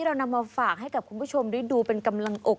เรานำมาฝากให้กับคุณผู้ชมได้ดูเป็นกำลังอก